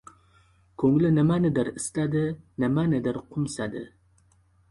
Ko‘ngli nimanidir istadi, nimanidir qo‘msadi.